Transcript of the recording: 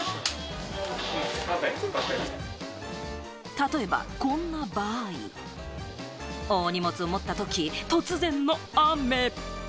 例えばこんな場合、大荷物を持ったとき、突然の雨。